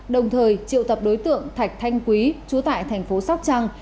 đồng thời triệu tập đối tượng thạch thanh quý chú tại thành phố sóc trăng